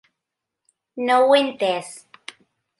No ho he entès.